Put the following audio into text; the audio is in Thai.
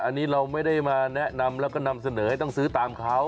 อันนี้เราไม่ได้มาแนะนำแล้วก็นำเสนอให้ต้องซื้อตามเขา